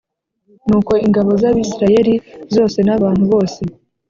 Nuko ingabo z abisirayeli zose n abantu bose